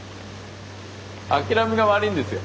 諦めが悪いんですよ。